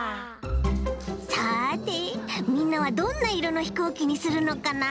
さてみんなはどんないろのひこうきにするのかな？